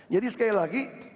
jadi sekali lagi